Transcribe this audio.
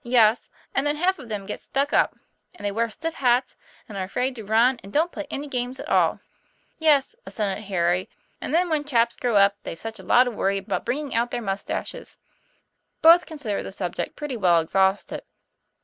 'Yes; and then half of them get stuck up. And they wear stiff hats, and are afraid to run, and don't play any games at all." "Yes," assented Harry; "and then when chaps TOM PLA YFAIR. 35 grow up, they've such a lot of worry about bringing out their mustaches." Both considered the subject pretty well exhausted.